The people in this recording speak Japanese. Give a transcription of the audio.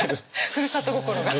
ふるさと心が。